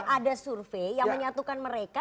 ada survei yang menyatukan mereka